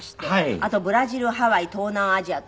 あとブラジルハワイ東南アジアと。